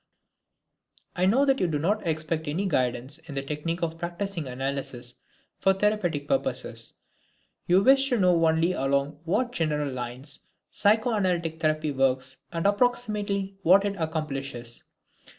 I know that you do not expect any guidance in the technique of practising analysis for therapeutic purposes. You wish to know only along what general lines psychoanalytic therapy works and approximately what it accomplishes.